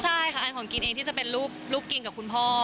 ใช่ค่ะอันของกินเองที่จะเป็นลูกกินกับคุณพ่อ